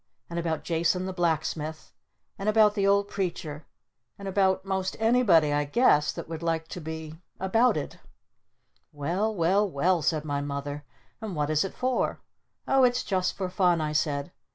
And about Jason the Blacksmith! And about the Old Preacher. And about most anybody I guess that would like to be About ed!" "Well Well Well," said my Mother. "And what is it for?" "Oh, it's just for fun," I said.